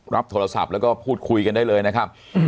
รับโทรศัพท์แล้วก็พูดคุยกันได้เลยนะครับ